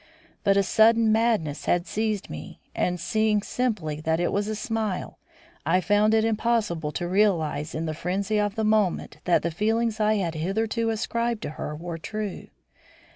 But a sudden madness had seized me, and seeing simply that it was a smile, I found it impossible to realise in the frenzy of the moment that the feelings I had hitherto ascribed to her were true.